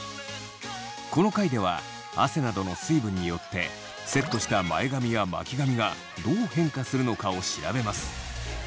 この回では汗などの水分によってセットした前髪や巻き髪がどう変化するのかを調べます。